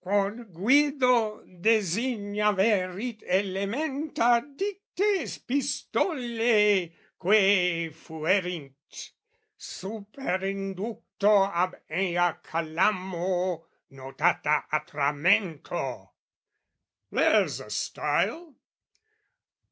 "Quod Guido designaverit elementa "DictAe epistolAe, quAe fuerint "(Superinducto ab ea calamo) "Notata atramento" there's a style!